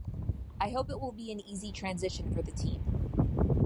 I hope it will be an easy transition for the team.